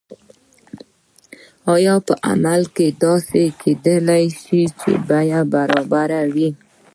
آیا په عمل کې داسې کیدای شي چې بیې برابرې وي؟